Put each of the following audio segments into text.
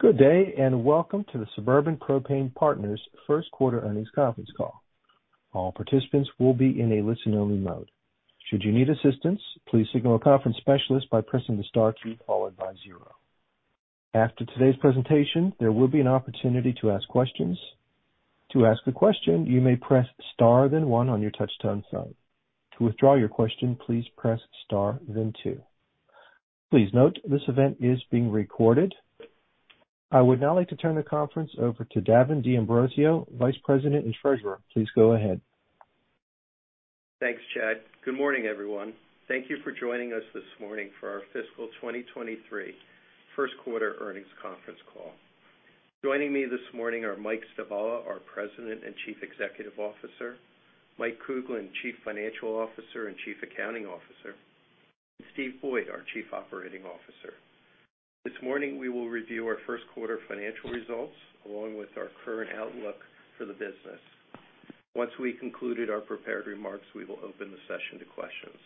Good day, welcome to the Suburban Propane Partners first quarter earnings conference call. All participants will be in a listen-only mode. Should you need assistance, please signal a conference specialist by pressing the star key followed by zero. After today's presentation, there will be an opportunity to ask questions. To ask a question, you may press star, then one on your touch-tone phone. To withdraw your question, please press star, then two. Please note, this event is being recorded. I would now like to turn the conference over to Davin D'Ambrosio, Vice President and Treasurer. Please go ahead. Thanks, Chad. Good morning, everyone. Thank you for joining us this morning for our fiscal 2023 first quarter earnings conference call. Joining me this morning are Michael Stivala, our President and Chief Executive Officer, Michael Kuglin, Chief Financial Officer and Chief Accounting Officer, and Steve Boyd, our Chief Operating Officer. This morning, we will review our first quarter financial results, along with our current outlook for the business. Once we concluded our prepared remarks, we will open the session to questions.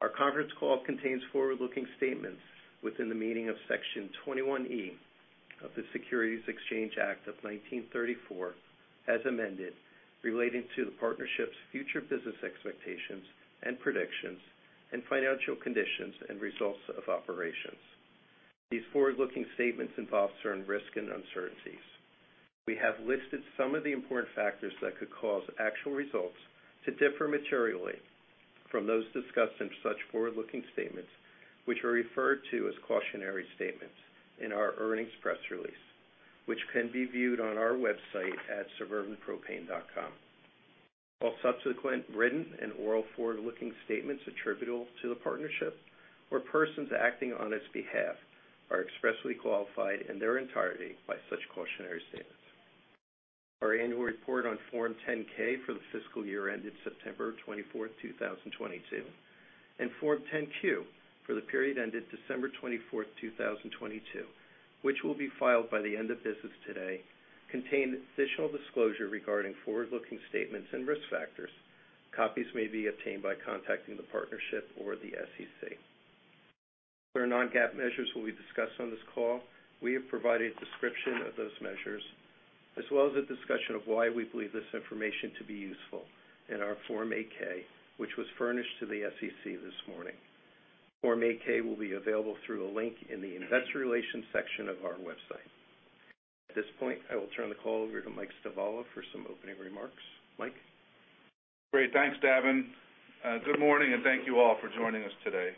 Our conference call contains forward-looking statements within the meaning of Section 21E of the Securities Exchange Act of 1934, as amended, relating to the partnership's future business expectations and predictions and financial conditions and results of operations. These forward-looking statements involve certain risk and uncertainties. We have listed some of the important factors that could cause actual results to differ materially from those discussed in such forward-looking statements, which are referred to as cautionary statements in our earnings press release, which can be viewed on our website at suburbanpropane.com. All subsequent written and oral forward-looking statements attributable to the partnership or persons acting on its behalf are expressly qualified in their entirety by such cautionary statements. Our annual report on Form 10-K for the fiscal year ended September 24, 2022, and Form 10-Q for the period ended December 24, 2022, which will be filed by the end of business today, contain additional disclosure regarding forward-looking statements and risk factors. Copies may be obtained by contacting the partnership or the SEC. Where non-GAAP measures will be discussed on this call, we have provided a description of those measures, as well as a discussion of why we believe this information to be useful in our Form 8-K, which was furnished to the SEC this morning. Form 8-K will be available through a link in the investor relations section of our website. At this point, I will turn the call over to Mike Stivala for some opening remarks. Mike? Great. Thanks, Davin. Good morning, and thank you all for joining us today.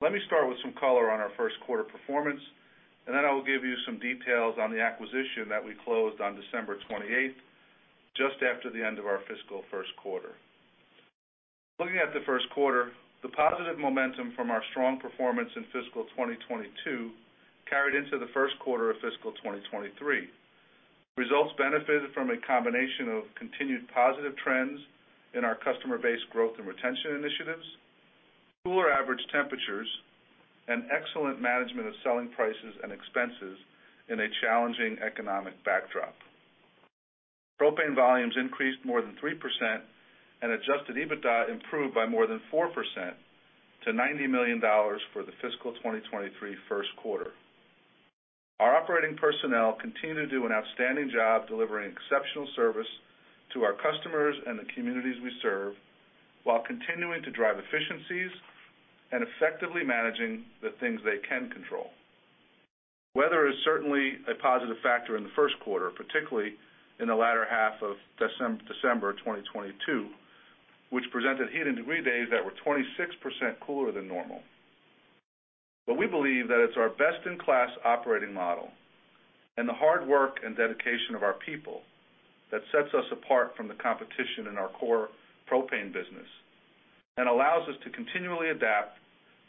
Let me start with some color on our first quarter performance, and then I will give you some details on the acquisition that we closed on December 28th, just after the end of our fiscal first quarter. Looking at the first quarter, the positive momentum from our strong performance in fiscal 2022 carried into the first quarter of fiscal 2023. Results benefited from a combination of continued positive trends in our customer base growth and retention initiatives, cooler average temperatures, and excellent management of selling prices and expenses in a challenging economic backdrop. Propane volumes increased more than 3% and Adjusted EBITDA improved by more than 4% to $90 million for the fiscal 2023 first quarter. Our operating personnel continue to do an outstanding job delivering exceptional service to our customers and the communities we serve while continuing to drive efficiencies and effectively managing the things they can control. Weather is certainly a positive factor in the first quarter, particularly in the latter half of December 2022, which presented heating degree days that were 26% cooler than normal. We believe that it's our best-in-class operating model and the hard work and dedication of our people that sets us apart from the competition in our core propane business and allows us to continually adapt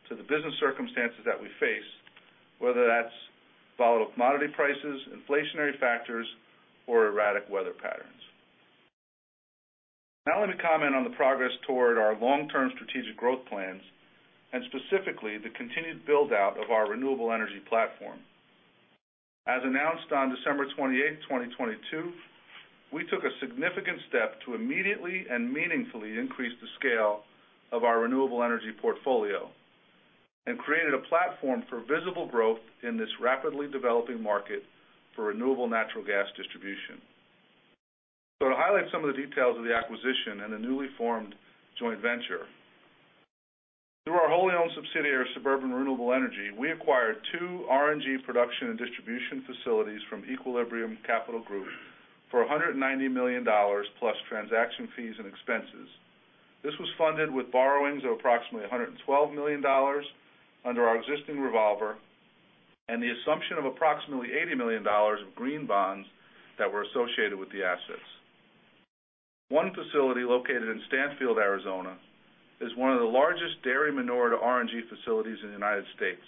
to the business circumstances that we face, whether that's volatile commodity prices, inflationary factors, or erratic weather patterns. Let me comment on the progress toward our long-term strategic growth plans, and specifically, the continued build-out of our renewable energy platform. As announced on December 28, 2022, we took a significant step to immediately and meaningfully increase the scale of our renewable energy portfolio and created a platform for visible growth in this rapidly developing market for renewable natural gas distribution. To highlight some of the details of the acquisition and the newly formed joint venture, through our wholly owned subsidiary, Suburban Renewable Energy, we acquired two RNG production and distribution facilities from Equilibrium Capital Group for $190 million plus transaction fees and expenses. This was funded with borrowings of approximately $112 million under our existing revolver and the assumption of approximately $80 million of green bonds that were associated with the assets. One facility located in Stanfield, Arizona, is one of the largest dairy manure to RNG facilities in the United States,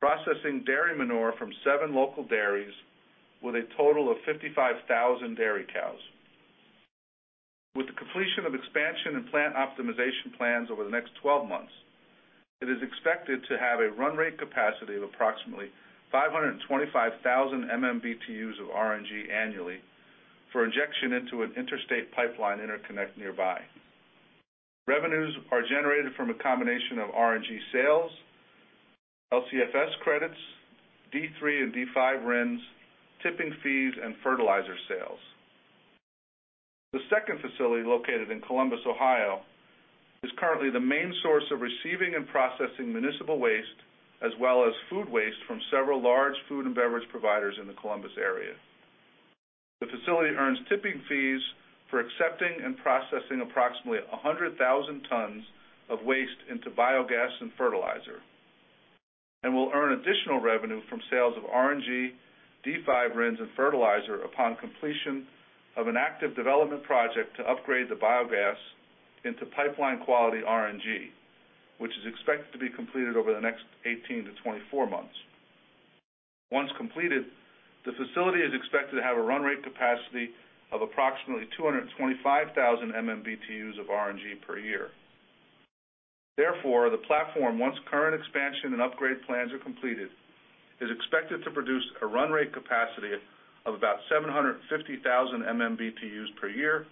processing dairy manure from seven local dairies with a total of 55,000 dairy cows. With the completion of expansion and plant optimization plans over the next 12 months, it is expected to have a run rate capacity of approximately 525,000 MMBtus of RNG annually for injection into an interstate pipeline interconnect nearby. Revenues are generated from a combination of RNG sales, LCFS credits, D3 and D5 RINs, tipping fees, and fertilizer sales. The second facility, located in Columbus, Ohio, is currently the main source of receiving and processing municipal waste, as well as food waste from several large food and beverage providers in the Columbus area. The facility earns tipping fees for accepting and processing approximately 100,000 tons of waste into biogas and fertilizer. Will earn additional revenue from sales of RNG, D5 RINs, and fertilizer upon completion of an active development project to upgrade the biogas into pipeline-quality RNG, which is expected to be completed over the next 18-24 months. Once completed, the facility is expected to have a run rate capacity of approximately 225,000 MMBtus of RNG per year. The platform, once current expansion and upgrade plans are completed, is expected to produce a run rate capacity of about 750,000 MMBtus per year.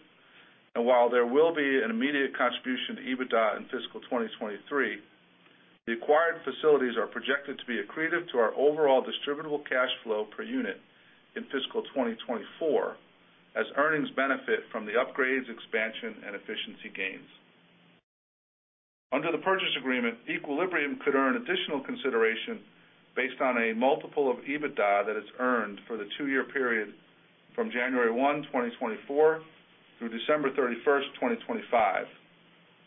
While there will be an immediate contribution to Adjusted EBITDA in fiscal 2023, the acquired facilities are projected to be accretive to our overall distributable cash flow per unit in fiscal 2024, as earnings benefit from the upgrades, expansion, and efficiency gains. Under the purchase agreement, Equilibrium could earn additional consideration based on a multiple of EBITDA that it's earned for the two-year period from January 1, 2024, through December 31, 2025,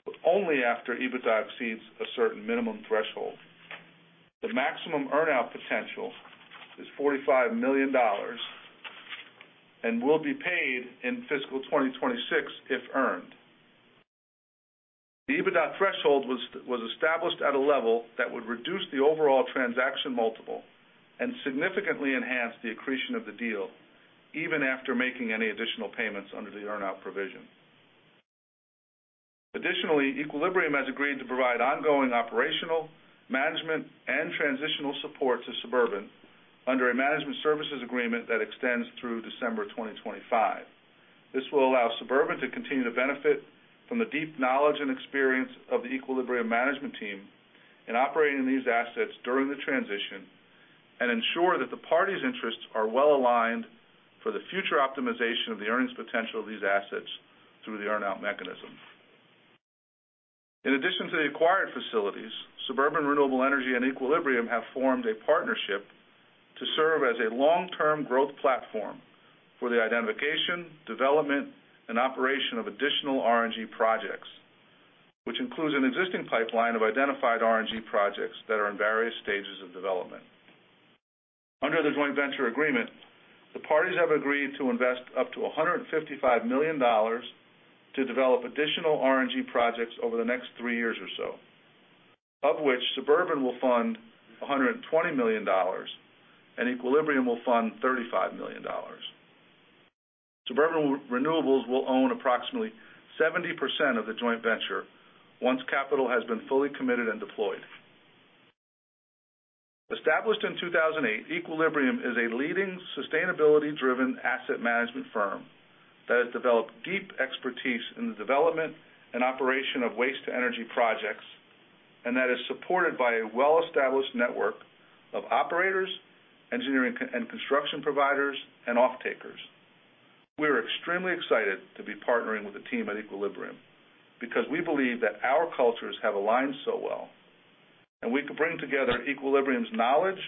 but only after EBITDA exceeds a certain minimum threshold. The maximum earn-out potential is $45 million and will be paid in fiscal 2026 if earned. The EBITDA threshold was established at a level that would reduce the overall transaction multiple and significantly enhance the accretion of the deal even after making any additional payments under the earn-out provision. Additionally, Equilibrium has agreed to provide ongoing operational, management, and transitional support to Suburban under a management services agreement that extends through December 2025. This will allow Suburban to continue to benefit from the deep knowledge and experience of the Equilibrium management team in operating these assets during the transition and ensure that the parties' interests are well-aligned for the future optimization of the earnings potential of these assets through the earn-out mechanism. In addition to the acquired facilities, Suburban Renewable Energy and Equilibrium have formed a partnership to serve as a long-term growth platform for the identification, development, and operation of additional RNG projects, which includes an existing pipeline of identified RNG projects that are in various stages of development. Under the joint venture agreement, the parties have agreed to invest up to $155 million to develop additional RNG projects over the next three years or so, of which Suburban will fund $120 million and Equilibrium will fund $35 million. Suburban Renewables will own approximately 70% of the joint venture once capital has been fully committed and deployed. Established in 2008, Equilibrium is a leading sustainability-driven asset management firm that has developed deep expertise in the development and operation of waste-to-energy projects and that is supported by a well-established network of operators, engineering and construction providers, and offtakers. We are extremely excited to be partnering with the team at Equilibrium because we believe that our cultures have aligned so well, and we can bring together Equilibrium's knowledge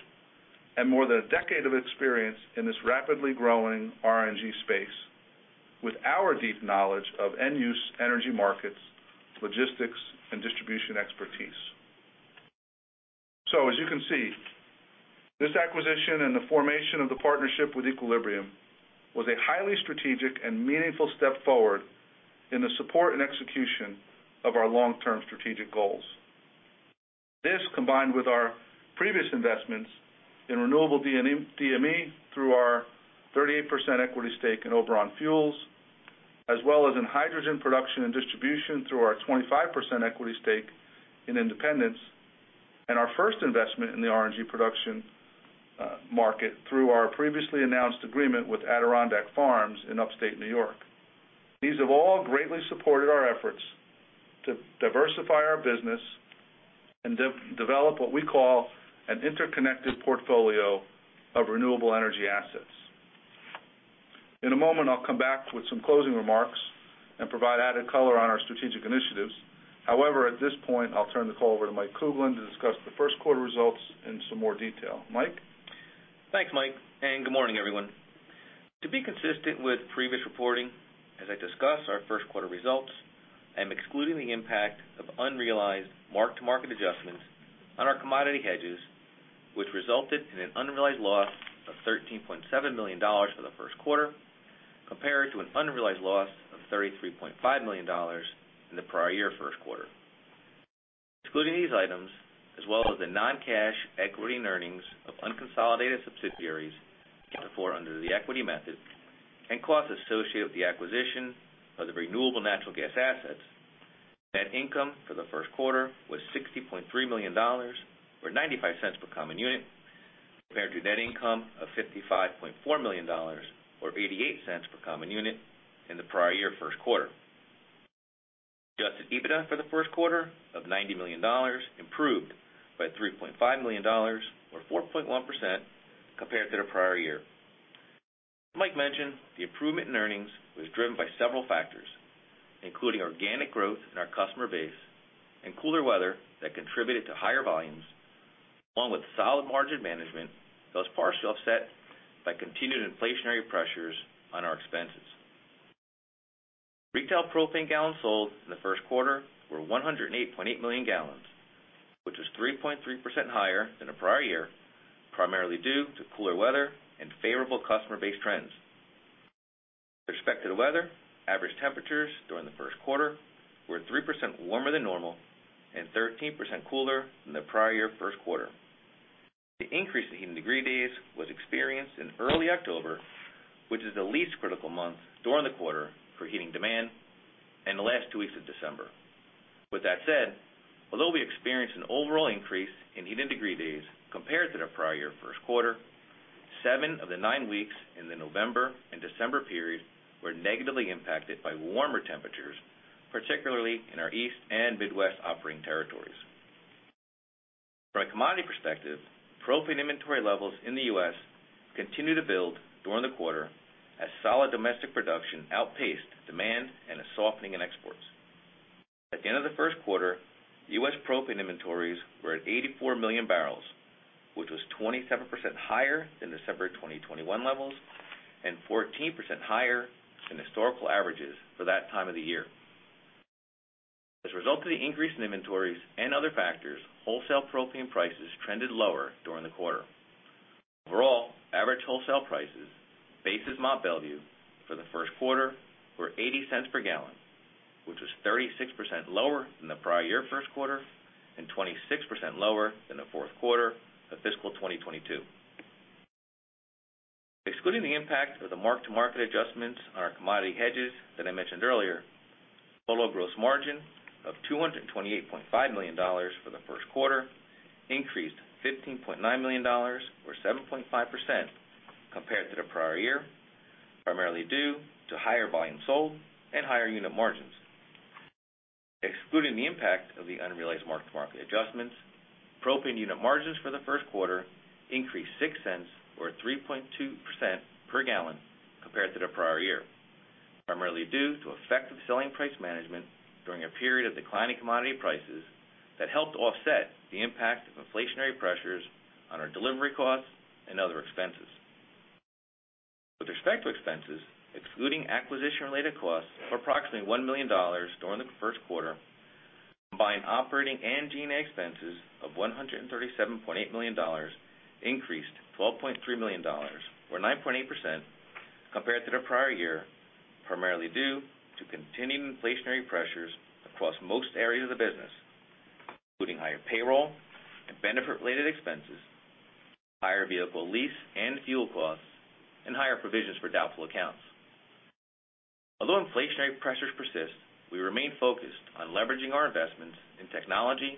and more than a decade of experience in this rapidly growing RNG space with our deep knowledge of end-use energy markets, logistics, and distribution expertise. As you can see, this acquisition and the formation of the partnership with Equilibrium was a highly strategic and meaningful step forward in the support and execution of our long-term strategic goals. This, combined with our previous investments in renewable DME through our 38% equity stake in Oberon Fuels, as well as in hydrogen production and distribution through our 25% equity stake in Independence, and our first investment in the RNG production market through our previously announced agreement with Adirondack Farms in upstate New York. These have all greatly supported our efforts to diversify our business and develop what we call an interconnected portfolio of renewable energy assets. In a moment, I'll come back with some closing remarks and provide added color on our strategic initiatives. At this point, I'll turn the call over to Mike Kuglin to discuss the first quarter results in some more detail. Mike? Thanks, Mike. Good morning, everyone. To be consistent with previous reporting, as I discuss our first quarter results, I'm excluding the impact of unrealized mark-to-market adjustments on our commodity hedges, which resulted in an unrealized loss of $13.7 million for the first quarter compared to an unrealized loss of $33.5 million in the prior year first quarter. Excluding these items, as well as the non-cash equity and earnings of unconsolidated subsidiaries under the equity method and costs associated with the acquisition of the renewable natural gas assets, net income for the first quarter was $60.3 million, or $0.95 per common unit. Compared to net income of $55.4 million or $0.88 per common unit in the prior year first quarter. Adjusted EBITDA for the first quarter of $90 million improved by $3.5 million or 4.1% compared to the prior year. Mike mentioned the improvement in earnings was driven by several factors, including organic growth in our customer base and cooler weather that contributed to higher volumes, along with solid margin management, thus partially offset by continued inflationary pressures on our expenses. Retail propane gallons sold in the first quarter were 108.8 million gallons, which was 3.3% higher than the prior year, primarily due to cooler weather and favorable customer base trends. With respect to the weather, average temperatures during the first quarter were 3% warmer than normal and 13% cooler than the prior year first quarter. The increase in heating degree days was experienced in early October, which is the least critical month during the quarter for heating demand and the last two weeks of December. Although we experienced an overall increase in heating degree days compared to the prior year first quarter, seven of the nine weeks in the November and December period were negatively impacted by warmer temperatures, particularly in our East and Midwest operating territories. From a commodity perspective, propane inventory levels in the U.S. continued to build during the quarter as solid domestic production outpaced demand and a softening in exports. At the end of the first quarter, U.S. propane inventories were at 84 million barrels, which was 27% higher than December 2021 levels and 14% higher than historical averages for that time of the year. As a result of the increase in inventories and other factors, wholesale propane prices trended lower during the quarter. Overall, average wholesale prices basis Mont Belvieu for the first quarter were $0.80 per gallon, which was 36% lower than the prior year first quarter and 26% lower than the fourth quarter of fiscal 2022. Excluding the impact of the mark-to-market adjustments on our commodity hedges that I mentioned earlier, total gross margin of $228.5 million for the first quarter increased $15.9 million or 7.5% compared to the prior year, primarily due to higher volume sold and higher unit margins. Excluding the impact of the unrealized market adjustments, propane unit margins for the first quarter increased $0.06 or 3.2% per gallon compared to the prior year, primarily due to effective selling price management during a period of declining commodity prices that helped offset the impact of inflationary pressures on our delivery costs and other expenses. With respect to expenses, excluding acquisition-related costs of approximately $1 million during the first quarter, combined operating and G&A expenses of $137.8 million increased $12.3 million or 9.8% compared to the prior year, primarily due to continued inflationary pressures across most areas of the business, including higher payroll and benefit related expenses, higher vehicle lease and fuel costs, and higher provisions for doubtful accounts. Although inflationary pressures persist, we remain focused on leveraging our investments in technology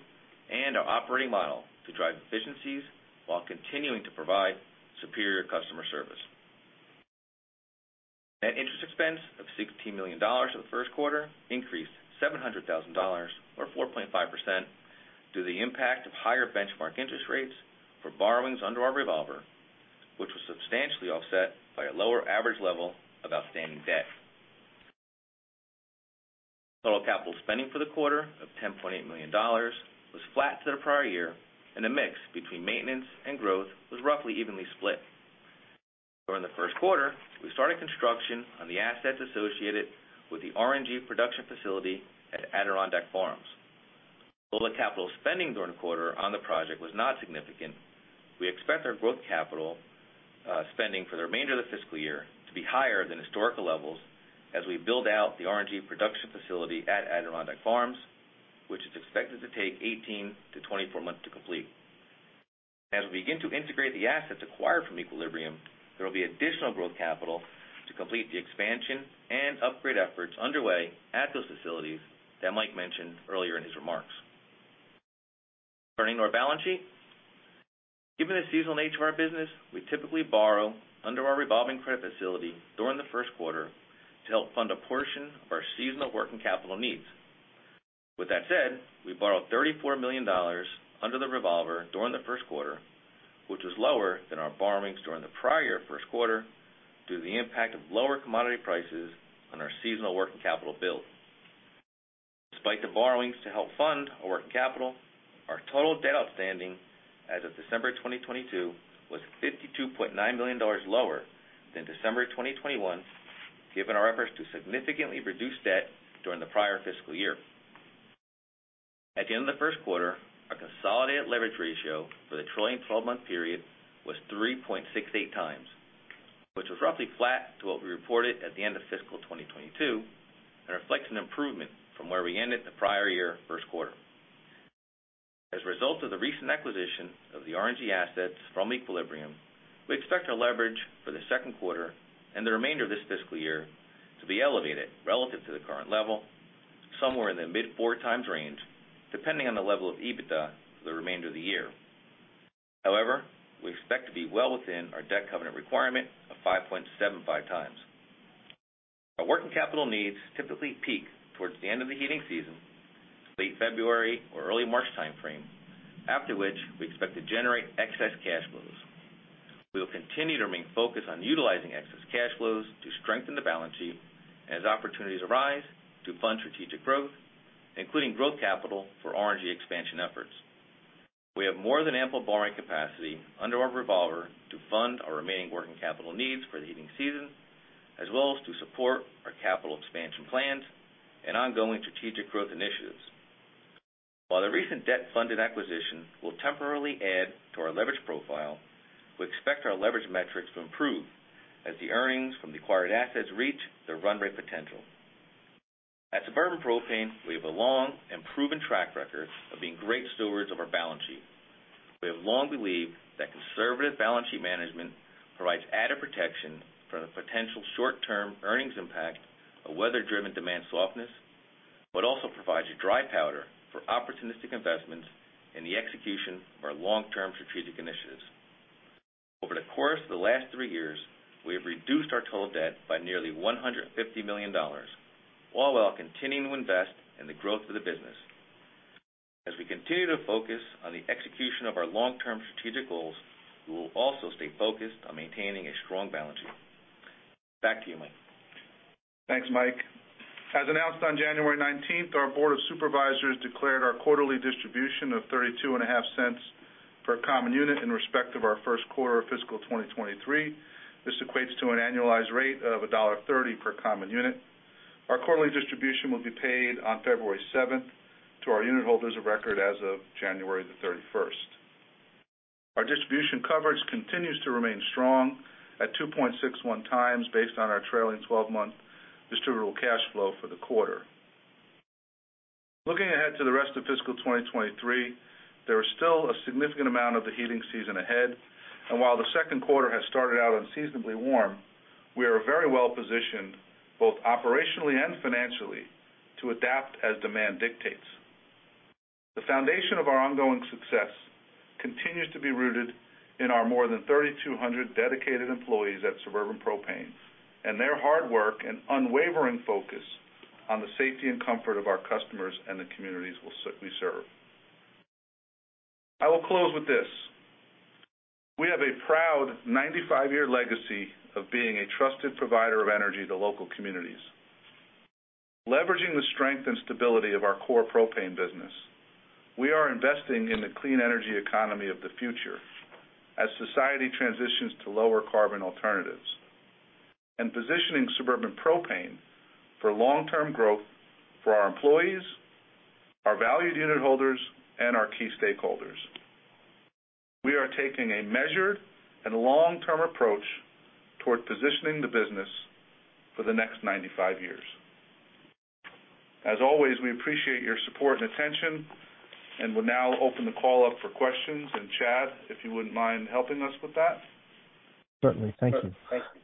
and our operating model to drive efficiencies while continuing to provide superior customer service. Net interest expense of $16 million for the first quarter increased $700,000 or 4.5% due to the impact of higher benchmark interest rates for borrowings under our revolver, which was substantially offset by a lower average level of outstanding debt. Total capital spending for the quarter of $10.8 million was flat to the prior year, and the mix between maintenance and growth was roughly evenly split. During the first quarter, we started construction on the assets associated with the RNG production facility at Adirondack Farms. Although the capital spending during the quarter on the project was not significant, we expect our growth capital spending for the remainder of the fiscal year to be higher than historical levels as we build out the RNG production facility at Adirondack Farms, which is expected to take 18-24 months to complete. As we begin to integrate the assets acquired from Equilibrium, there will be additional growth capital to complete the expansion and upgrade efforts underway at those facilities that Mike mentioned earlier in his remarks. Turning to our balance sheet. Given the seasonal nature of our business, we typically borrow under our revolving credit facility during the first quarter to help fund a portion of our seasonal working capital needs. With that said, we borrowed $34 million under the revolver during the first quarter, which was lower than our borrowings during the prior year first quarter due to the impact of lower commodity prices on our seasonal working capital build. Despite the borrowings to help fund our working capital, our total debt outstanding as of December 2022 was $52.9 million lower than December 2021, given our efforts to significantly reduce debt during the prior fiscal year. At the end of the first quarter, our consolidated leverage ratio for the trailing twelve-month period was 3.68x, which was roughly flat to what we reported at the end of fiscal 2022 and reflects an improvement from where we ended the prior year first quarter. As a result of the recent acquisition of the RNG assets from Equilibrium, we expect our leverage for the second quarter and the remainder of this fiscal year to be elevated relative to the current level. Somewhere in the mid 4x range, depending on the level of EBITDA for the remainder of the year. We expect to be well within our debt covenant requirement of 5.75x. Our working capital needs typically peak towards the end of the heating season, late February or early March timeframe, after which we expect to generate excess cash flows. We will continue to remain focused on utilizing excess cash flows to strengthen the balance sheet as opportunities arise to fund strategic growth, including growth capital for RNG expansion efforts. We have more than ample borrowing capacity under our revolver to fund our remaining working capital needs for the heating season, as well as to support our capital expansion plans and ongoing strategic growth initiatives. While the recent debt-funded acquisition will temporarily add to our leverage profile, we expect our leverage metrics to improve as the earnings from the acquired assets reach their run rate potential. At Suburban Propane, we have a long and proven track record of being great stewards of our balance sheet. We have long believed that conservative balance sheet management provides added protection from the potential short-term earnings impact of weather-driven demand softness, but also provides a dry powder for opportunistic investments in the execution of our long-term strategic initiatives. Over the course of the last three years, we have reduced our total debt by nearly $150 million, all while continuing to invest in the growth of the business. We continue to focus on the execution of our long-term strategic goals, we will also stay focused on maintaining a strong balance sheet. Back to you, Mike. Thanks, Mike. As announced on January 19th, our board of supervisors declared our quarterly distribution of thirty-two and a half cents per common unit in respect of our first quarter of fiscal 2023. This equates to an annualized rate of $1.30 per common unit. Our quarterly distribution will be paid on February 7th to our unit holders of record as of January 31st. Our distribution coverage continues to remain strong at 2.61x based on our trailing twelve-month distributable cash flow for the quarter. Looking ahead to the rest of fiscal 2023, there is still a significant amount of the heating season ahead. While the second quarter has started out unseasonably warm, we are very well positioned, both operationally and financially, to adapt as demand dictates. The foundation of our ongoing success continues to be rooted in our more than 3,200 dedicated employees at Suburban Propane and their hard work and unwavering focus on the safety and comfort of our customers and the communities we serve. I will close with this. We have a proud 95-year legacy of being a trusted provider of energy to local communities. Leveraging the strength and stability of our core propane business, we are investing in the clean energy economy of the future as society transitions to lower carbon alternatives and positioning Suburban Propane for long-term growth for our employees, our valued unit holders, and our key stakeholders. We are taking a measured and long-term approach toward positioning the business for the next 95 years. As always, we appreciate your support and attention and will now open the call up for questions. Chad, if you wouldn't mind helping us with that. Certainly. Thank you. Thank you.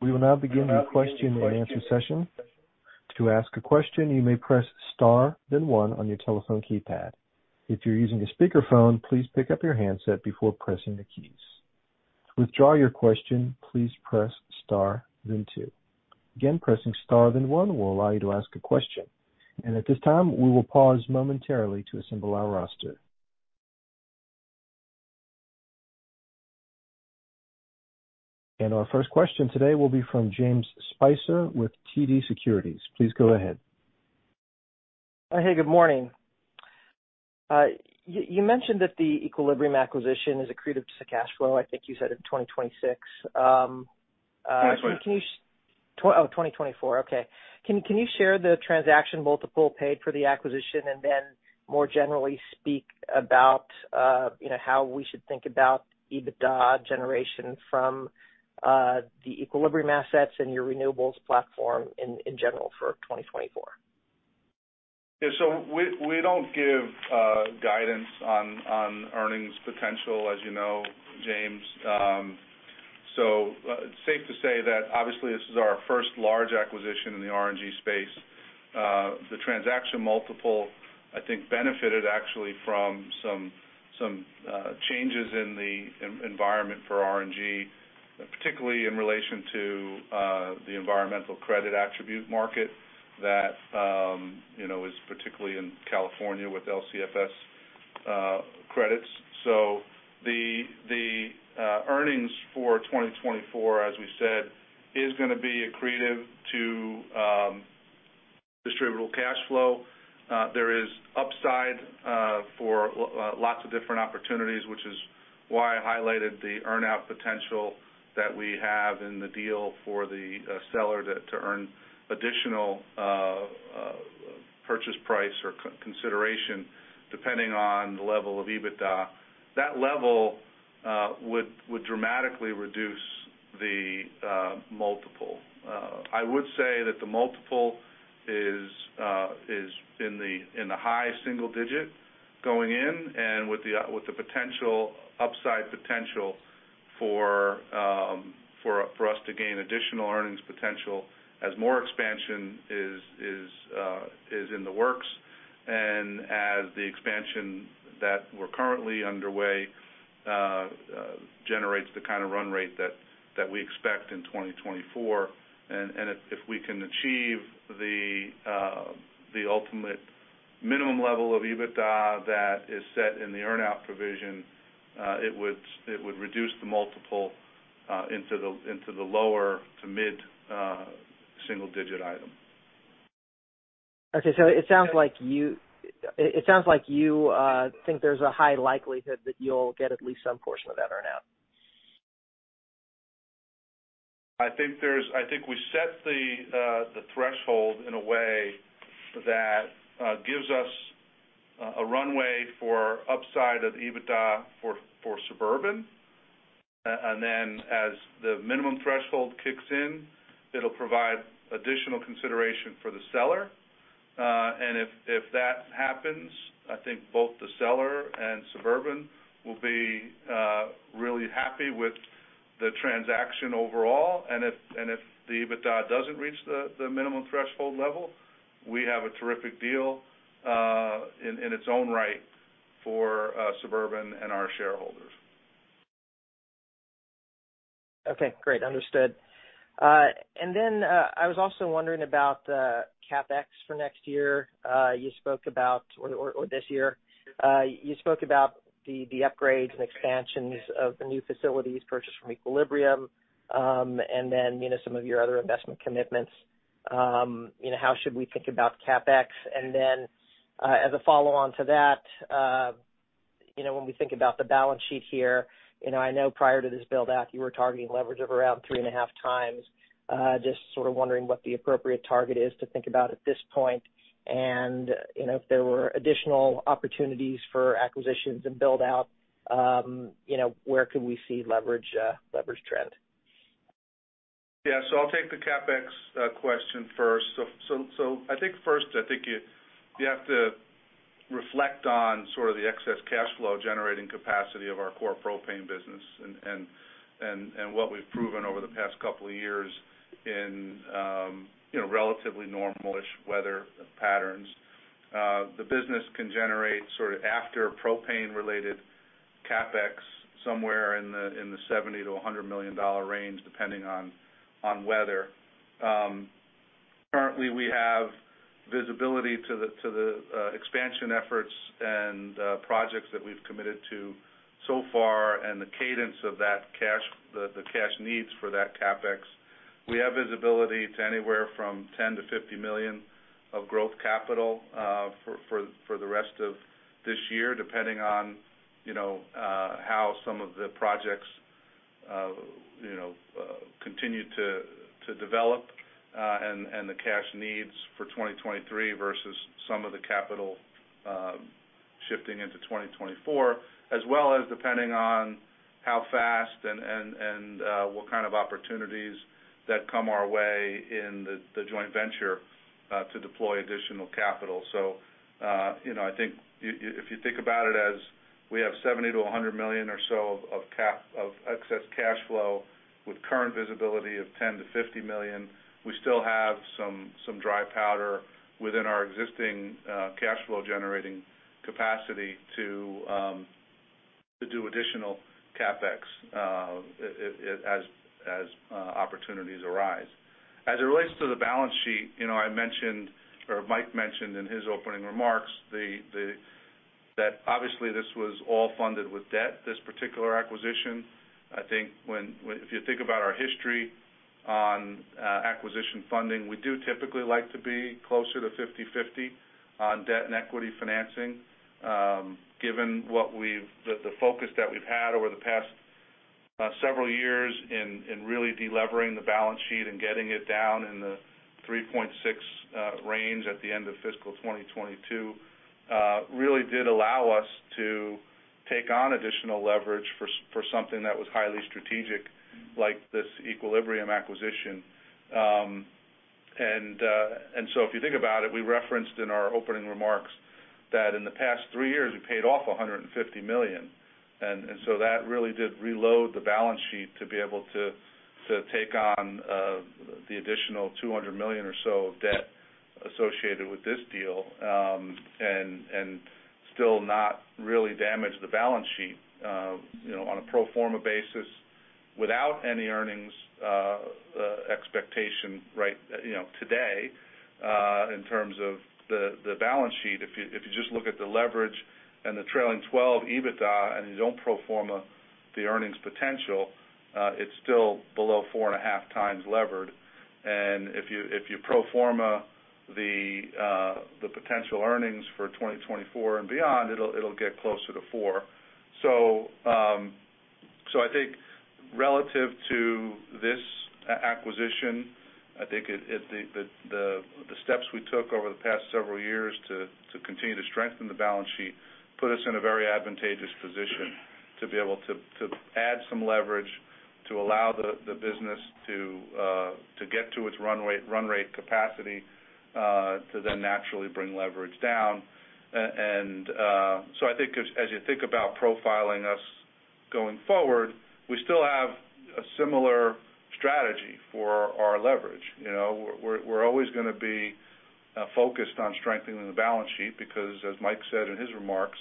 We will now begin the question and answer session. To ask a question, you may press star then one on your telephone keypad. If you're using a speakerphone, please pick up your handset before pressing the keys. To withdraw your question, please press star then two. Again, pressing star then one will allow you to ask a question. At this time, we will pause momentarily to assemble our roster. Our first question today will be from James Spicer with TD Securities. Please go ahead. Hey, good morning. You mentioned that the Equilibrium acquisition is accretive to cash flow, I think you said in 2026. Twenty-four. Can Oh, 2024. Okay. Can you share the transaction multiple paid for the acquisition and then more generally speak about, you know, how we should think about EBITDA generation from the Equilibrium assets and your renewables platform in general for 2024? Yeah. We don't give guidance on earnings potential, as you know, James. It's safe to say that obviously this is our first large acquisition in the RNG space. The transaction multiple, I think, benefited actually from some changes in the environment for RNG, particularly in relation to the environmental credit attribute market that, you know, is particularly in California with LCFS credits. The earnings for 2024, as we said, is gonna be accretive to distributable cash flow. There is upside for lots of different opportunities, which is why I highlighted the earn out potential that we have in the deal for the seller to earn additional purchase price or consideration, depending on the level of EBITDA. That level would dramatically reduce the multiple. I would say that the multiple is in the high single-digit going in and with the upside potential for us to gain additional earnings potential as more expansion is in the works, and as the expansion that we're currently underway generates the kind of run rate that we expect in 2024. If we can achieve the ultimate minimum level of EBITDA that is set in the earn-out provision, it would reduce the multiple into the lower to mid single-digit item. It sounds like you think there's a high likelihood that you'll get at least some portion of that earn-out? I think we set the threshold in a way that gives us a runway for upside of EBITDA for Suburban. As the minimum threshold kicks in, it'll provide additional consideration for the seller. If that happens, I think both the seller and Suburban will be really happy with the transaction overall. If the EBITDA doesn't reach the minimum threshold level, we have a terrific deal in its own right for Suburban and our shareholders. Okay. Great. Understood. I was also wondering about CapEx for next year. You spoke about, Or, this year. You spoke about the upgrades and expansions of the new facilities purchased from Equilibrium, and then, you know, some of your other investment commitments. You know, how should we think about CapEx? As a follow-on to that, you know, when we think about the balance sheet here, you know, I know prior to this build-out, you were targeting leverage of around three and a half times. Just sort of wondering what the appropriate target is to think about at this point. If there were additional opportunities for acquisitions and build-out, you know, where could we see leverage trend? I'll take the CapEx question first. I think first, I think you have to reflect on sort of the excess cash flow generating capacity of our core propane business and what we've proven over the past couple of years in, you know, relatively normal-ish weather patterns. The business can generate sort of after propane-related CapEx somewhere in the $70 million-$100 million range, depending on weather. Currently, we have visibility to the expansion efforts and projects that we've committed to so far and the cadence of that cash, the cash needs for that CapEx. We have visibility to anywhere from $10 million-$50 million of growth capital for the rest of this year, depending on, you know, how some of the projects, you know, continue to develop and the cash needs for 2023 versus some of the capital shifting into 2024. As well as depending on how fast and what kind of opportunities that come our way in the joint venture to deploy additional capital. You know, I think if you think about it as we have $70 million-$100 million or so of excess cash flow with current visibility of $10 million-$50 million, we still have some dry powder within our existing cash flow generating capacity to do additional CapEx as opportunities arise. As it relates to the balance sheet, you know, I mentioned, or Mike mentioned in his opening remarks, that obviously this was all funded with debt, this particular acquisition. I think if you think about our history on acquisition funding, we do typically like to be closer to 50/50 on debt and equity financing. Given what we've the focus that we've had over the past several years in really delevering the balance sheet and getting it down in the 3.6 range at the end of fiscal 2022 really did allow us to take on additional leverage for something that was highly strategic, like this Equilibrium acquisition. If you think about it, we referenced in our opening remarks that in the past 3 years, we paid off $150 million. That really did reload the balance sheet to be able to take on the additional $200 million or so of debt associated with this deal, and still not really damage the balance sheet, you know, on a pro forma basis without any earnings expectation, right, you know, today. In terms of the balance sheet, if you just look at the leverage and the trailing twelve EBITDA and you don't pro forma the earnings potential, it's still below 4.5x levered. If you pro forma the potential earnings for 2024 and beyond, it'll get closer to 4x. I think relative to this acquisition, I think the steps we took over the past several years to continue to strengthen the balance sheet put us in a very advantageous position to be able to add some leverage. To allow the business to get to its run rate capacity, to then naturally bring leverage down. I think as you think about profiling us going forward, we still have a similar strategy for our leverage. You know, we're always gonna be focused on strengthening the balance sheet because as Mike said in his remarks,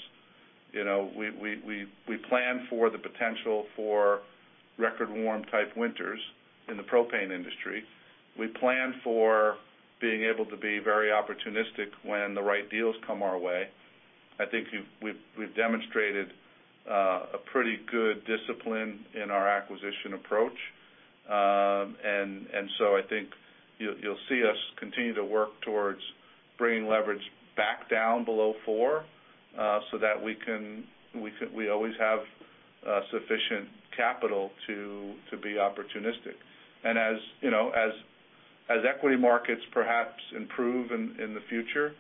you know, we plan for the potential for record warm type winters in the propane industry. We plan for being able to be very opportunistic when the right deals come our way. I think we've demonstrated a pretty good discipline in our acquisition approach. I think you'll see us continue to work towards bringing leverage back down below four so that we always have sufficient capital to be opportunistic. As, you know, as equity markets perhaps improve in the future,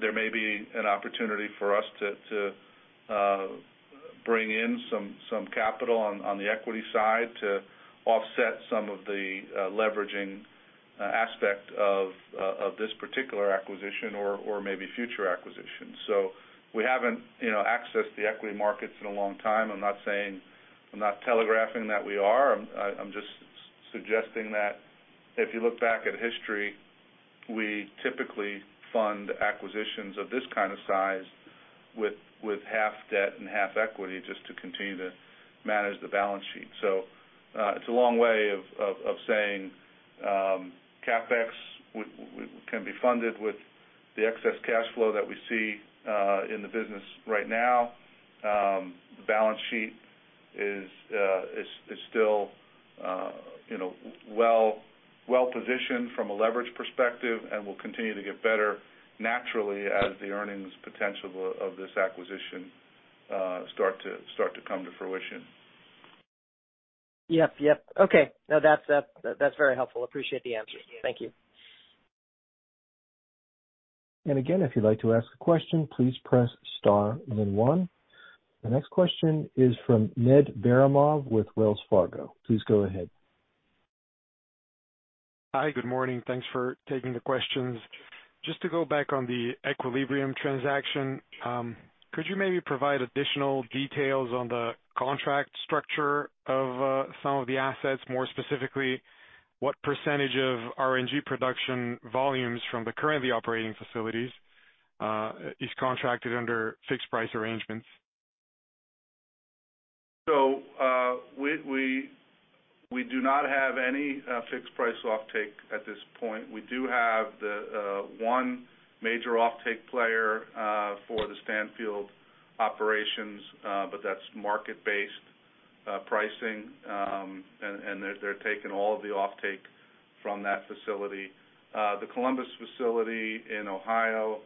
there may be an opportunity for us to bring in some capital on the equity side to offset some of the leveraging aspect of this particular acquisition or maybe future acquisitions. We haven't, you know, accessed the equity markets in a long time. I'm not telegraphing that we are. I'm just suggesting that if you look back at history, we typically fund acquisitions of this kind of size with half debt and half equity just to continue to manage the balance sheet. It's a long way of saying, CapEx can be funded with the excess cash flow that we see in the business right now. The balance sheet is still, you know, well-positioned from a leverage perspective and will continue to get better naturally as the earnings potential of this acquisition start to come to fruition. Yep. Okay. That's very helpful. Appreciate the answer. Thank you. Again, if you'd like to ask a question, please press star then one. The next question is from Ned Baramov with Wells Fargo. Please go ahead. Hi. Good morning. Thanks for taking the questions. Just to go back on the Equilibrium transaction, could you maybe provide additional details on the contract structure of some of the assets? More specifically, what percentage of RNG production volumes from the currently operating facilities, is contracted under fixed price arrangements? We do not have any fixed price offtake at this point. We do have the one major offtake player for the Stanfield operations, but that's market-based pricing. They're taking all of the offtake from that facility. The Columbus facility in Ohio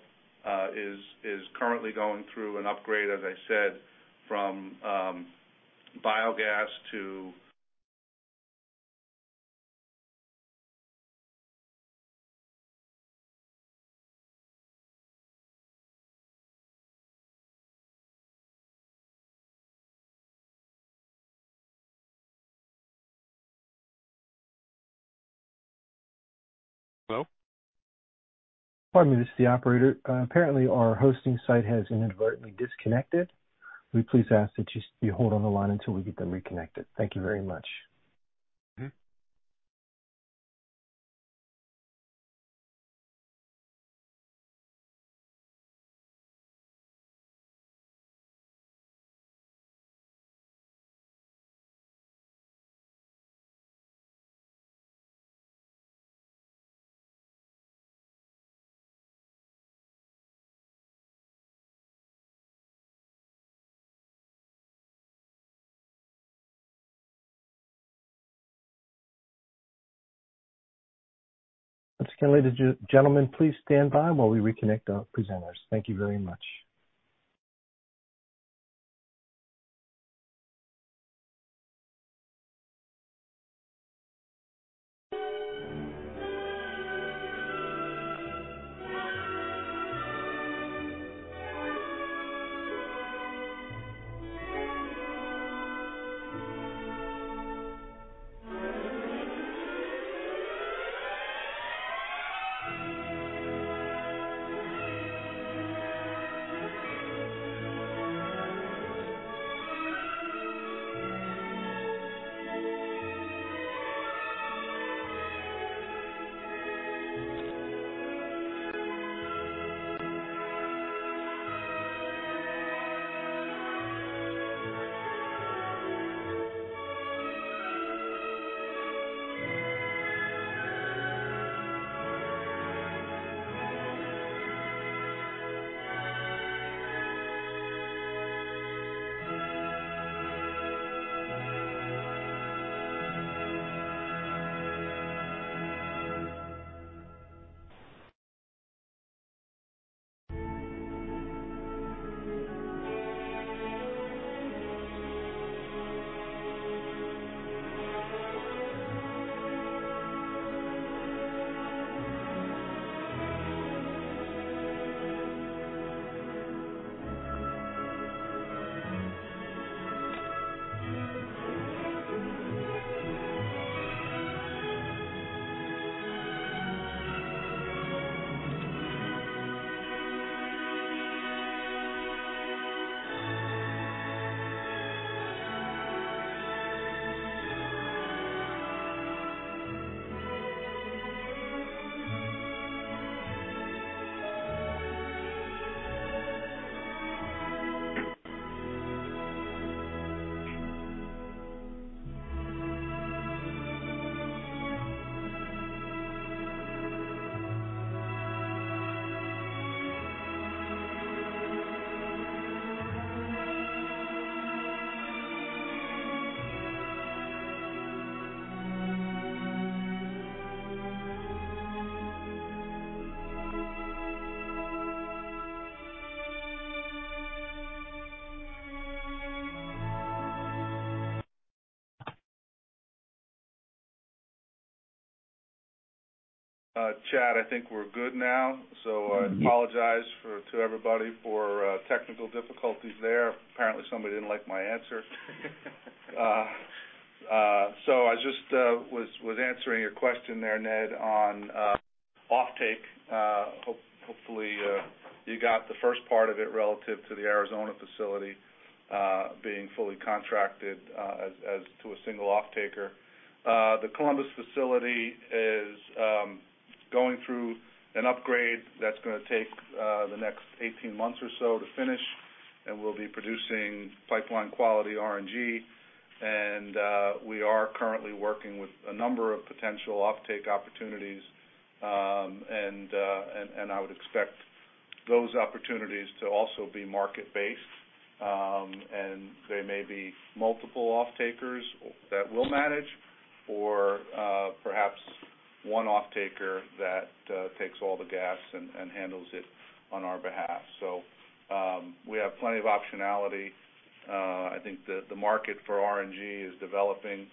is currently going through an upgrade, as I said, from biogas to... Hello? Pardon me. This is the operator. Apparently our hosting site has inadvertently disconnected. We please ask that you hold on the line until we get them reconnected. Thank you very much. Mm-hmm. Once again, ladies and gentlemen, please stand by while we reconnect our presenters. Thank you very much. Chad, I think we're good now. I apologize to everybody for technical difficulties there. Apparently, somebody didn't like my answer. I just was answering a question there, Ned, on offtake. Hopefully, you got the first part of it relative to the Arizona facility being fully contracted to a single offtaker. The Columbus facility is going through an upgrade that's gonna take the next 18 months or so to finish, and we'll be producing pipeline quality RNG. We are currently working with a number of potential offtake opportunities. I would expect those opportunities to also be market-based. There may be multiple offtakers that we'll manage or perhaps one offtaker that takes all the gas and handles it on our behalf. We have plenty of optionality. I think the market for RNG is developing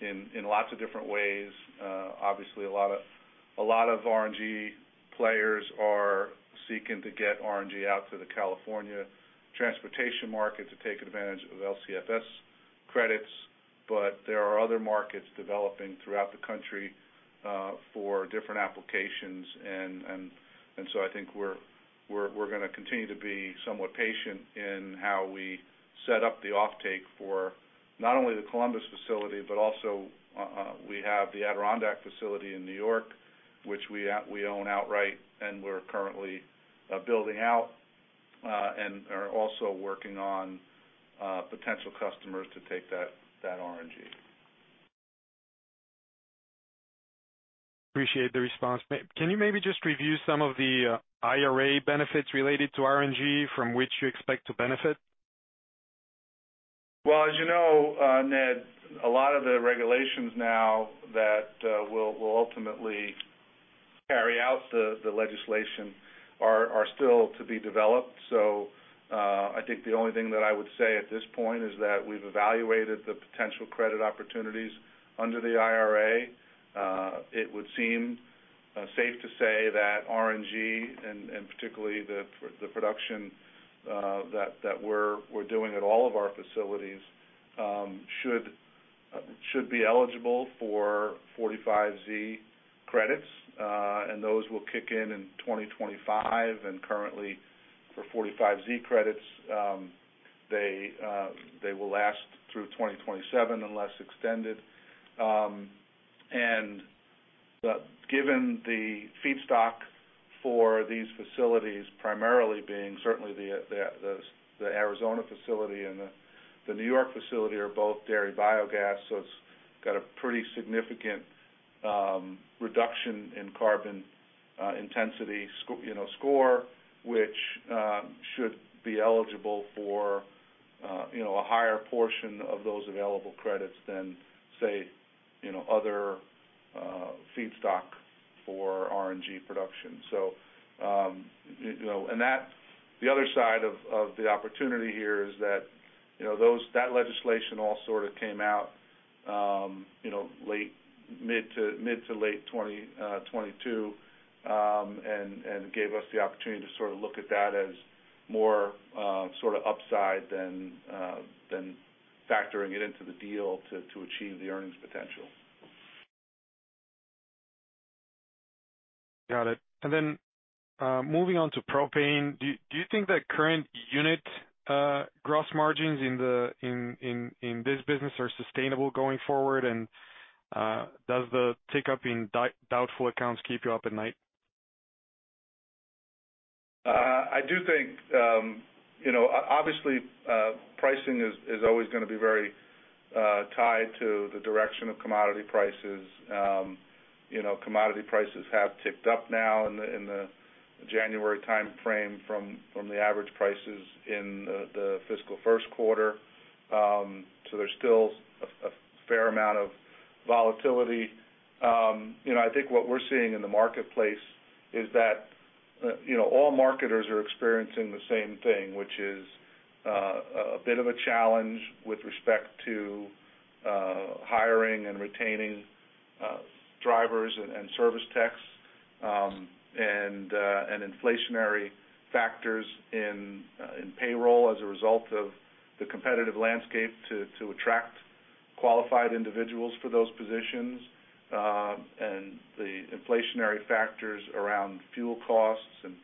in lots of different ways. Obviously a lot of RNG players are seeking to get RNG out to the California transportation market to take advantage of LCFS credits. There are other markets developing throughout the country for different applications. I think we're gonna continue to be somewhat patient in how we set up the offtake for not only the Columbus facility, but also, we have the Adirondack facility in New York, which we own outright, and we're currently building out and are also working on potential customers to take that RNG. Appreciate the response. Can you maybe just review some of the IRA benefits related to RNG from which you expect to benefit? As you know, Ned, a lot of the regulations now that will ultimately carry out the legislation are still to be developed. I think the only thing that I would say at this point is that we've evaluated the potential credit opportunities under the IRA. It would seem safe to say that RNG, and particularly the production that we're doing at all of our facilities should be eligible for Section 45Z credits. Those will kick in in 2025. Currently for Section 45Z credits, they will last through 2027 unless extended. But given the feedstock for these facilities primarily being certainly the Arizona facility and the New York facility are both dairy biogas, so it's got a pretty significant reduction in carbon intensity score, which should be eligible for, you know, a higher portion of those available credits than say, you know, other feedstock for RNG production. The other side of the opportunity here is that, you know, that legislation all sort of came out, you know, late mid to late 2022, and gave us the opportunity to sort of look at that as more sort of upside than factoring it into the deal to achieve the earnings potential. Got it. Moving on to propane, do you think the current unit gross margins in this business are sustainable going forward? Does the tick up in doubtful accounts keep you up at night? I do think, you know, obviously, pricing is always gonna be very tied to the direction of commodity prices. You know, commodity prices have ticked up now in the January timeframe from the average prices in the fiscal first quarter. There's still a fair amount of volatility. You know, I think what we're seeing in the marketplace is that, you know, all marketers are experiencing the same thing, which is a bit of a challenge with respect to hiring and retaining drivers and service techs, and inflationary factors in payroll as a result of the competitive landscape to attract qualified individuals for those positions, and the inflationary factors around fuel costs and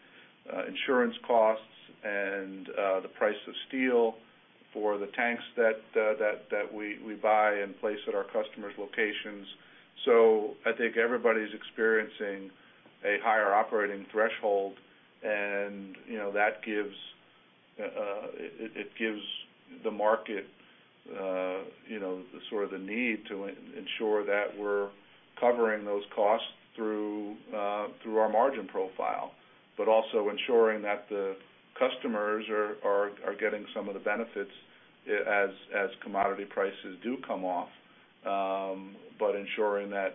insurance costs and the price of steel for the tanks that we buy and place at our customers' locations. I think everybody's experiencing a higher operating threshold and, you know, that gives, it gives the market, you know, sort of the need to ensure that we're covering those costs through our margin profile, but also ensuring that the customers are getting some of the benefits, as commodity prices do come off. Ensuring that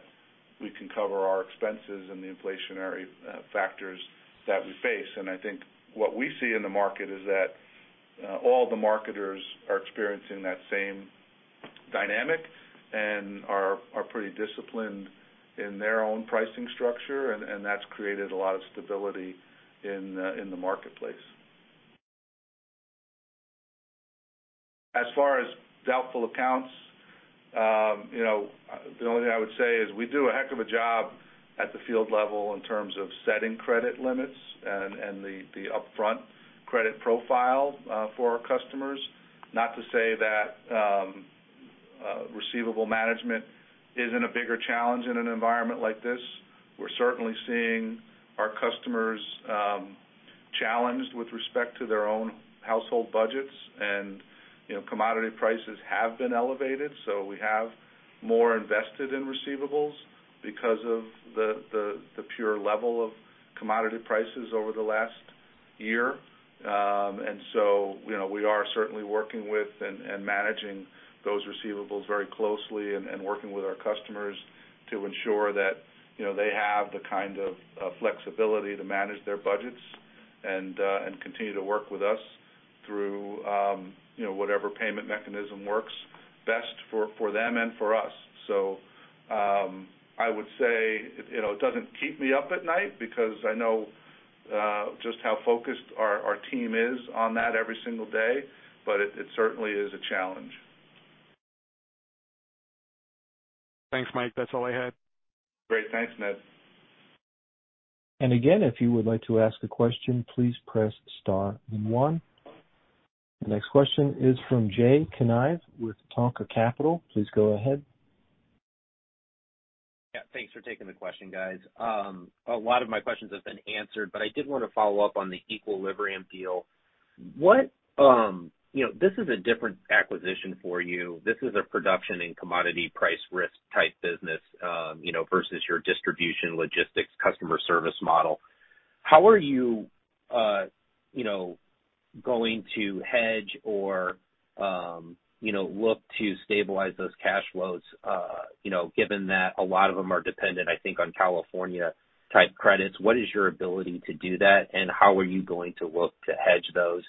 we can cover our expenses and the inflationary factors that we face. I think what we see in the market is that all the marketers are experiencing that same dynamic and are pretty disciplined in their own pricing structure, and that's created a lot of stability in the marketplace. As far as doubtful accounts, you know, the only thing I would say is we do a heck of a job at the field level in terms of setting credit limits and the upfront credit profile for our customers. Not to say that receivable management isn't a bigger challenge in an environment like this. We're certainly seeing our customers challenged with respect to their own household budgets. You know, commodity prices have been elevated, so we have more invested in receivables because of the pure level of commodity prices over the last year. You know, we are certainly working with and managing those receivables very closely and working with our customers to ensure that, you know, they have the kind of flexibility to manage their budgets and continue to work with us through, you know, whatever payment mechanism works best for them and for us. I would say, you know, it doesn't keep me up at night because I know just how focused our team is on that every single day, but it certainly is a challenge. Thanks, Mike. That's all I had. Great. Thanks, Ned. Again, if you would like to ask a question, please press star one. The next question is from Jay Kanive with Tonka Capital. Please go ahead. Yeah, thanks for taking the question, guys. A lot of my questions have been answered. I did want to follow up on the Equilibrium deal. What, you know, this is a different acquisition for you. This is a production and commodity price risk type business, you know, versus your distribution logistics customer service model. How are you know, going to hedge or, you know, look to stabilize those cash flows, you know, given that a lot of them are dependent, I think on California type credits? What is your ability to do that? How are you going to look to hedge those?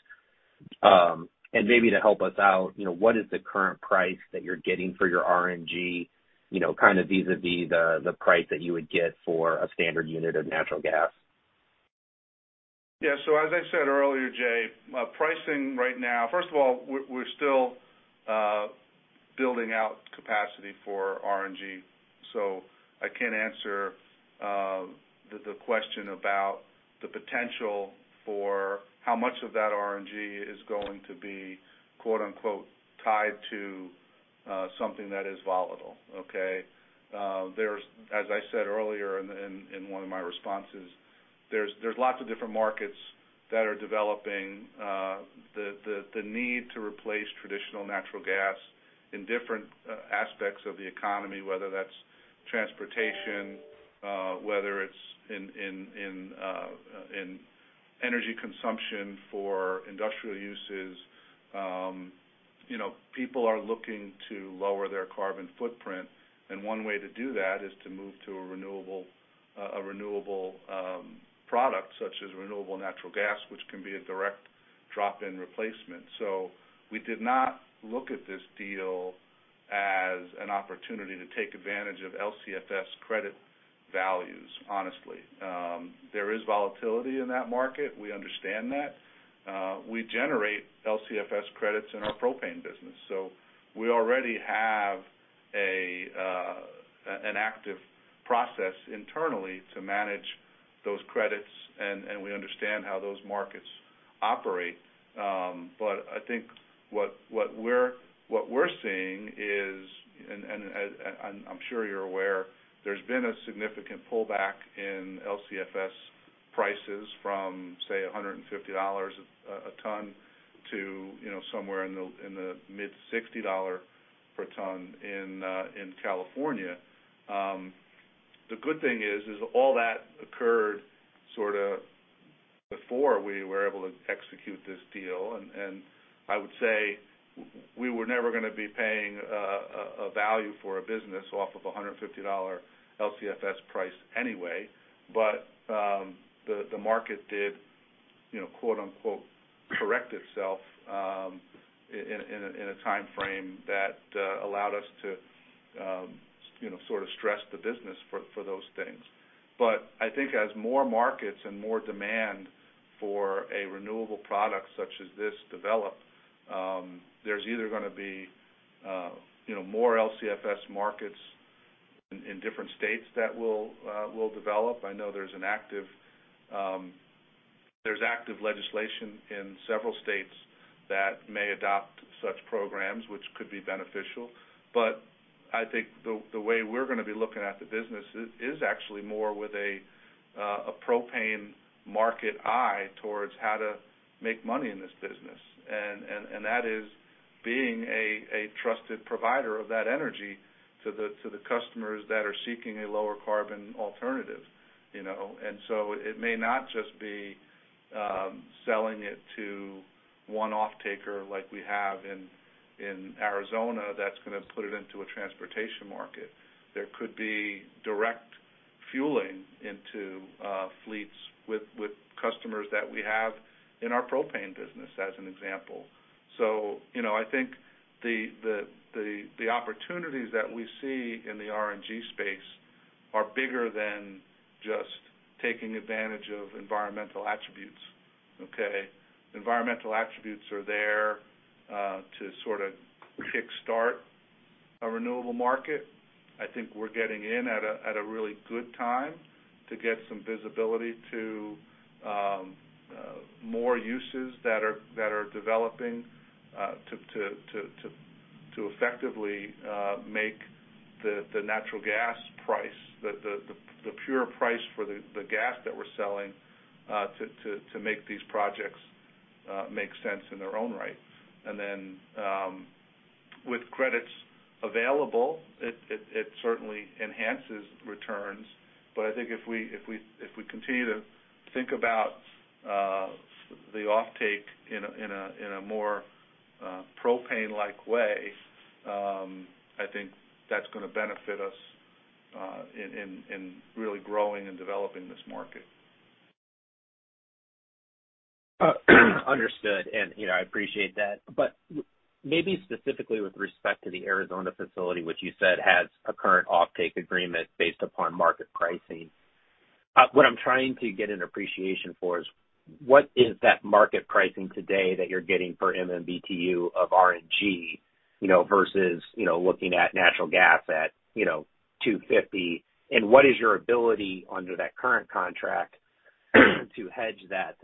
Maybe to help us out, you know, what is the current price that you're getting for your RNG, you know, kind of vis-a-vis the price that you would get for a standard unit of natural gas? As I said earlier, Jay, pricing right now, first of all, we're still building out capacity for RNG. I can't answer the question about the potential for how much of that RNG is going to be, quote-unquote, "tied to," something that is volatile, okay? There's as I said earlier in one of my responses, there's lots of different markets that are developing the need to replace traditional natural gas in different aspects of the economy, whether that's transportation, whether it's in energy consumption for industrial uses. You know, people are looking to lower their carbon footprint, one way to do that is to move to a renewable product such as renewable natural gas, which can be a direct drop-in replacement. We did not look at this deal as an opportunity to take advantage of LCFS credit values, honestly. There is volatility in that market. We understand that. We generate LCFS credits in our propane business, we already have an active process internally to manage those credits, and we understand how those markets operate. I think what we're seeing is, and I'm sure you're aware, there's been a significant pullback in LCFS prices from, say, $150 a ton to, you know, somewhere in the mid-$60 per ton in California. The good thing is all that occurred sort of before we were able to execute this deal. I would say We were never going to be paying a value for a business off of a $150 LCFS price anyway. The market did, you know, quote-unquote, correct itself in a time frame that allowed us to, you know, sort of stress the business for those things. I think as more markets and more demand for a renewable product such as this develop, there's either gonna be, you know, more LCFS markets in different states that will develop. I know there's an active, there's active legislation in several states that may adopt such programs, which could be beneficial. I think the way we're gonna be looking at the business is actually more with a propane market eye towards how to make money in this business. That is being a trusted provider of that energy to the customers that are seeking a lower carbon alternative, you know? It may not just be selling it to one offtaker like we have in Arizona that's gonna put it into a transportation market. There could be direct fueling into fleets with customers that we have in our propane business, as an example. You know, I think the opportunities that we see in the RNG space are bigger than just taking advantage of environmental attributes, okay? Environmental attributes are there to sort of kickstart a renewable market. I think we're getting in at a really good time to get some visibility to more uses that are developing to effectively make the natural gas price, the pure price for the gas that we're selling to make these projects make sense in their own right. Then with credits available, it certainly enhances returns. I think if we continue to think about the offtake in a more propane-like way, I think that's gonna benefit us in really growing and developing this market. Understood. You know, I appreciate that. Maybe specifically with respect to the Arizona facility, which you said has a current offtake agreement based upon market pricing. What I'm trying to get an appreciation for is what is that market pricing today that you're getting per MMBtu of RNG, you know, versus, you know, looking at natural gas at, you know, $2.50, and what is your ability under that current contract to hedge that,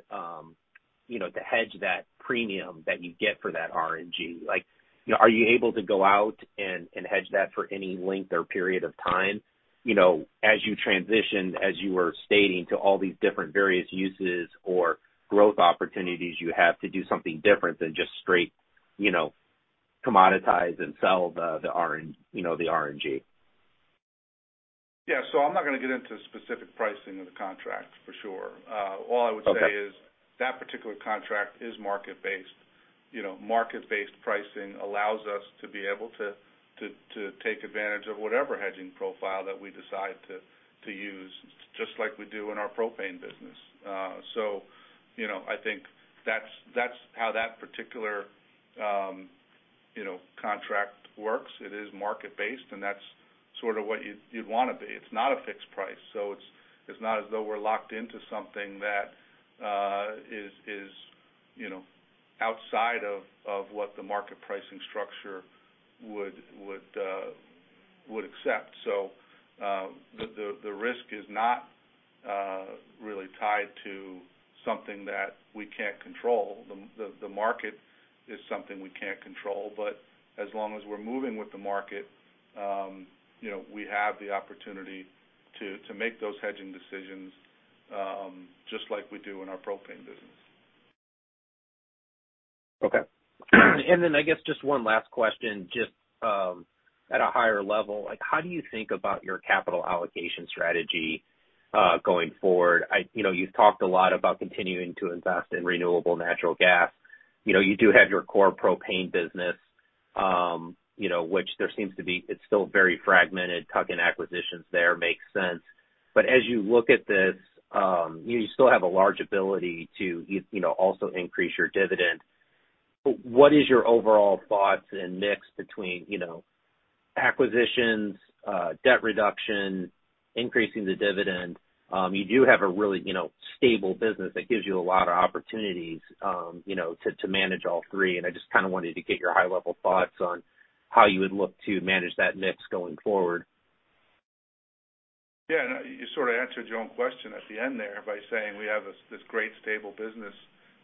you know, to hedge that premium that you get for that RNG? Like, you know, are you able to go out and hedge that for any length or period of time? You know, as you transition, as you were stating, to all these different various uses or growth opportunities, you have to do something different than just straight, you know, commoditize and sell the you know, the RNG. Yeah. I'm not gonna get into specific pricing of the contract for sure. all I would say- Okay is that particular contract is market-based. You know, market-based pricing allows us to be able to take advantage of whatever hedging profile that we decide to use, just like we do in our propane business. You know, I think that's how that particular, you know, contract works. It is market-based, that's sort of what you'd want it to be. It's not a fixed price, it's not as though we're locked into something that is, you know, outside of what the market pricing structure would accept. The risk is not really tied to something that we can't control. The market is something we can't control. As long as we're moving with the market, you know, we have the opportunity to make those hedging decisions, just like we do in our propane business. Okay. I guess just one last question, just at a higher level. Like, how do you think about your capital allocation strategy going forward? You know, you've talked a lot about continuing to invest in renewable natural gas. You know, you do have your core propane business, you know, which there seems to be... it's still very fragmented. Tuck-in acquisitions there makes sense. As you look at this, you still have a large ability to, you know, also increase your dividend. What is your overall thoughts and mix between, you know, acquisitions, debt reduction, increasing the dividend? You do have a really, you know, stable business that gives you a lot of opportunities, you know, to manage all three. I just kinda wanted to get your high-level thoughts on how you would look to manage that mix going forward. Yeah. No, you sort of answered your own question at the end there by saying we have this great stable business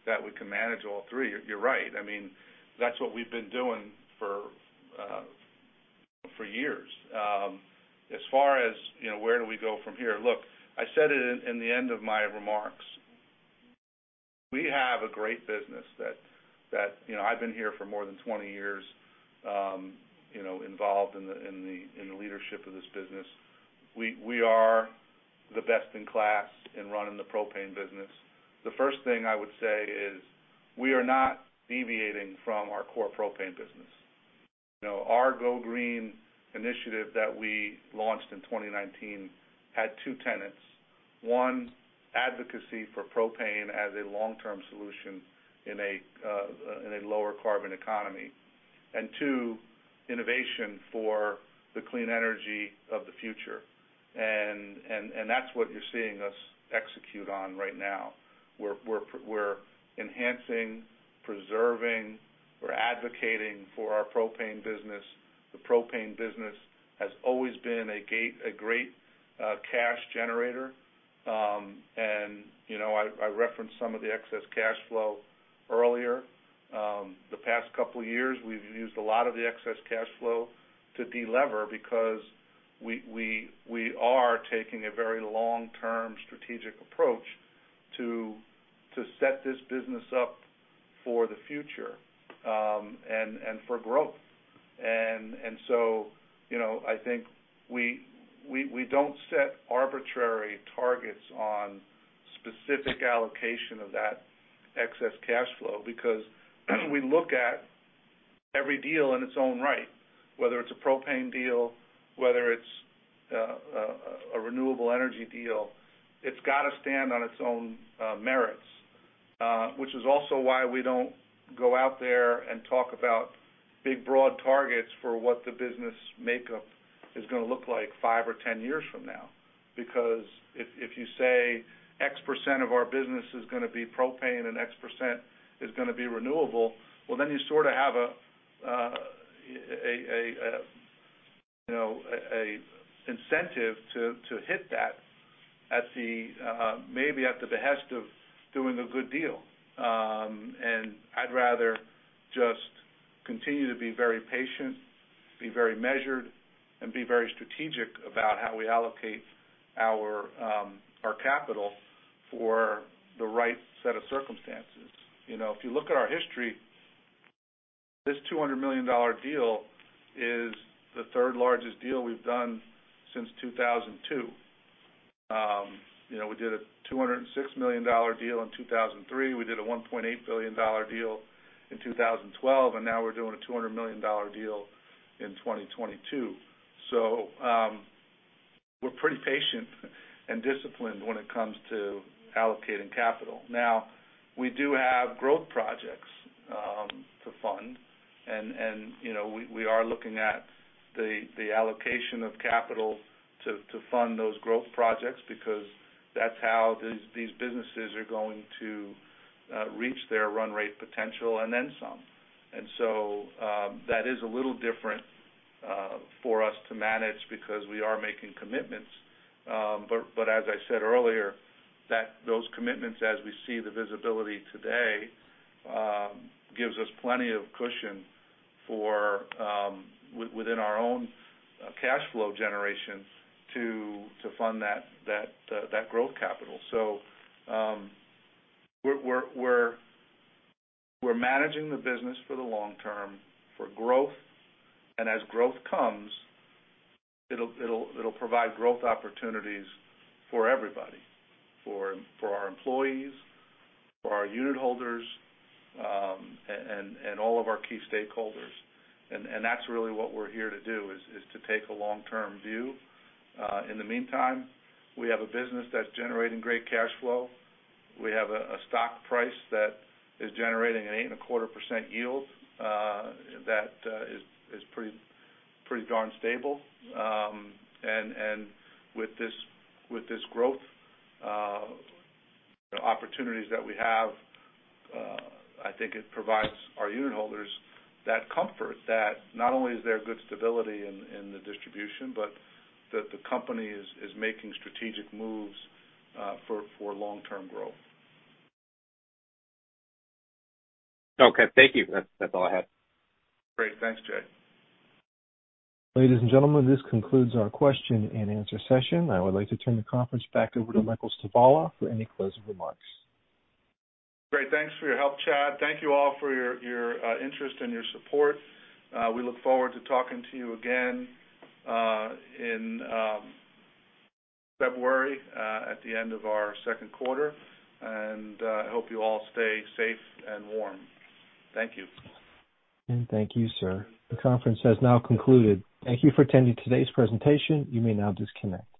that we can manage all three. You're right. I mean, that's what we've been doing for years. As far as, you know, where do we go from here, look, I said it in the end of my remarks. We have a great business that, you know, I've been here for more than 20 years, you know, involved in the leadership of this business. We are the best in class in running the propane business. The first thing I would say is we are not deviating from our core propane business. You know, our Go Green initiative that we launched in 2019 had two tenets. One, advocacy for propane as a long-term solution in a lower carbon economy. Two, innovation for the clean energy of the future. That's what you're seeing us execute on right now. We're enhancing, preserving, we're advocating for our propane business. The propane business has always been a great cash generator. You know, I referenced some of the excess cash flow earlier. The past couple years, we've used a lot of the excess cash flow to delever because we are taking a very long-term strategic approach to set this business up for the future, and for growth. You know, I think we don't set arbitrary targets on specific allocation of that excess cash flow because we look at every deal in its own right, whether it's a propane deal, whether it's a renewable energy deal. It's gotta stand on its own merits, which is also why we don't go out there and talk about big, broad targets for what the business makeup is gonna look like five or 10 years from now. If you say X% of our business is gonna be propane and X% is gonna be renewable, well, then you sort of have a, you know, a incentive to hit that at the maybe at the behest of doing a good deal. I'd rather just continue to be very patient, be very measured, and be very strategic about how we allocate our capital for the right set of circumstances. You know, if you look at our history, this $200 million deal is the 3rd largest deal we've done since 2002. You know, we did a $206 million deal in 2003. We did a $1.8 billion deal in 2012, now we're doing a $200 million deal in 2022. We're pretty patient and disciplined when it comes to allocating capital. We do have growth projects to fund. You know, we are looking at the allocation of capital to fund those growth projects because that's how these businesses are going to reach their run rate potential and then some. That is a little different for us to manage because we are making commitments. But as I said earlier, those commitments, as we see the visibility today, gives us plenty of cushion for within our own cash flow generation to fund that growth capital. We're managing the business for the long term for growth. As growth comes, it'll provide growth opportunities for everybody. For our employees, for our unitholders, and all of our key stakeholders. lly what we're here to do is to take a long-term view. In the meantime, we have a business that's generating great cash flow. We have a stock price that is generating an 8.25% yield that is pretty darn stable. And with this, with this growth, you know, opportunities that we have, I think it provides our unitholders that comfort that not only is there good stability in the distribution, but that the company is making strategic moves for long-term growth Okay. Thank you. That's all I have. Great. Thanks, Jay. Ladies and gentlemen, this concludes our question and answer session. I would like to turn the conference back over to Michael Stivala for any closing remarks. Great. Thanks for your help, Chad. Thank you all for your interest and your support. We look forward to talking to you again in February at the end of our second quarter. I hope you all stay safe and warm. Thank you. Thank you, sir. The conference has now concluded. Thank you for attending today's presentation. You may now disconnect.